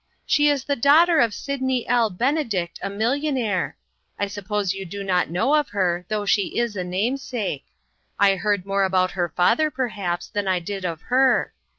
She is the daughter of Sidney L. Bene dict, a millionnaire. I suppose you do not know of her, though she is a namesake. I heard more about her father perhaps than I did of her.